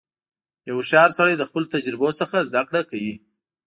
• یو هوښیار سړی د خپلو تجربو څخه زدهکړه کوي.